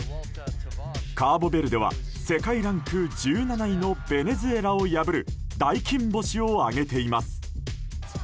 カーボベルデは世界ランク１７位のベネズエラを破る大金星を挙げています。